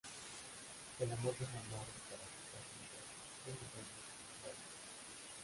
El amor de una madre para con sus dos hijos, uno de ellos, bueno.